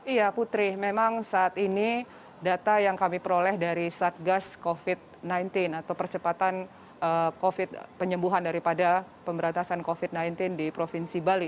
iya putri memang saat ini data yang kami peroleh dari satgas covid sembilan belas atau percepatan penyembuhan daripada pemberantasan covid sembilan belas di provinsi bali